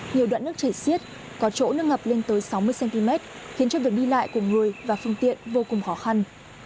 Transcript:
nhiều đoạn nước chảy xiết có chỗ nước ngập lên tới sáu mươi cm khiến cho việc đi lại của người và phương tiện vô cùng khó khăn